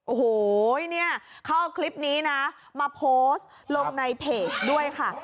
โอ้โหเนี่ยเขาเอาคลิปนี้นะมาโพสต์ลงในเพจด้วยค่ะ